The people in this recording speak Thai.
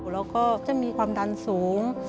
แล้วก็จะมีความดันสูง